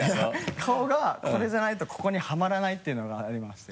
顔がこれじゃないとここにはまらないっていうのがありまして。